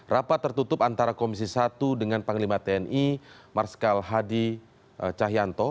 rapat tertutup antara komisi satu dengan panglima tni marskal hadi cahyanto